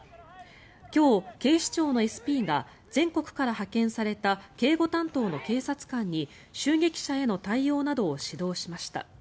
今日、警視庁のＳＰが全国から派遣された警護担当の警察官に襲撃者への対応などを指導しました。